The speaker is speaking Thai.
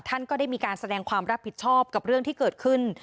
ท่านก็ได้มีการแสดงความรับผิดชอบกับเรื่องที่เกิดขึ้น